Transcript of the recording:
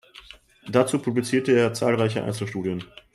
Dazu publizierte er zahlreiche Einzelstudien.